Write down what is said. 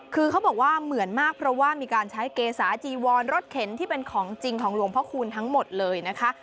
คือเขาบอกว่าเหมือนมากเพราะว่ามีการใช้เกษาจีวรรถเข็นที่เป็นของจริงของหลวงพระคูณทั้งหมดเลยนะคะ